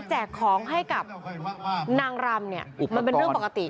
แจกของให้กับนางรำเนี่ยมันเป็นเรื่องปกติ